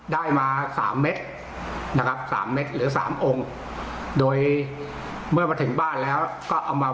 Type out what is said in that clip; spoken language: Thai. ได้มาสามเม็ดนะครับสามเม็ดหรือสามองค์โดยเมื่อมาถึงบ้านแล้วก็เอามา